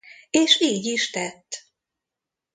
És így is tett.